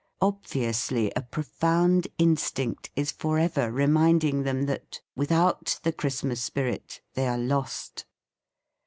Obviously, a profound instinct is for ever reminding them that, with out the Christmas spirit, they are lost.